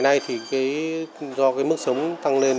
ngày nay do mức sống tăng lên